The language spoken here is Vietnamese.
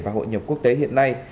và hội nhập quốc tế hiện nay